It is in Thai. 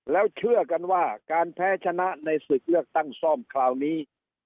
แล้วเชื่อกันว่าการแพ้ชนะในศึกเลือกตั้งซ่อมคราวนี้